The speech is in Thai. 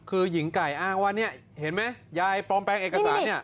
คือหญิงไก่อ้างว่าเนี่ยเห็นไหมยายปลอมแปลงเอกสารเนี่ย